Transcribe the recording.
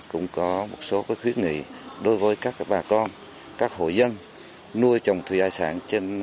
cũng có một số khuyến nghị đối với các bà con các hộ dân nuôi trồng thủy ai sản